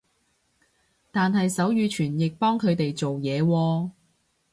但係手語傳譯幫佢哋做嘢喎